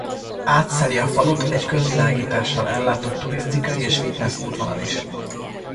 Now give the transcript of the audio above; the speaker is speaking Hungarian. Átszeli a falut egy közvilágítással ellátott turisztikai és fitness-útvonal is.